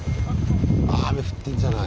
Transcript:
雨降ってんじゃない？